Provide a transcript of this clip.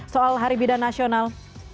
soal hari bidan nasional